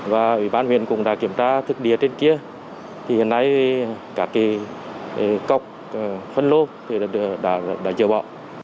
và ubnd cũng đã kiểm tra thức đĩa trên kia thì hiện nay cả cái cọc phân lô thì đã chờ bỏ